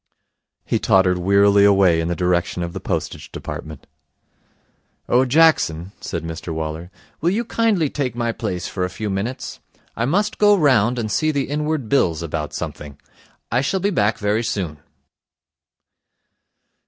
He tottered wearily away in the direction of the Postage Department. 'Oh, Jackson,' said Mr Waller, 'will you kindly take my place for a few minutes? I must go round and see the Inward Bills about something. I shall be back very soon.'